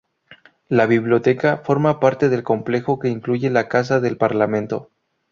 La biblioteca forma parte del complejo que incluye la Casa del Parlamento.